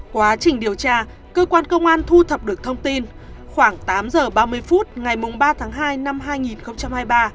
quá trình điều tra cơ quan công an thu thập được thông tin khoảng tám h ba mươi phút ngày ba tháng hai năm hai nghìn hai mươi ba